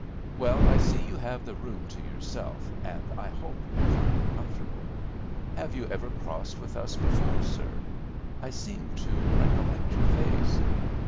"Well, I see you have the room to yourself, and I hope you will find it comfortable. Have you ever crossed with us before, sir? I seem to recollect your face."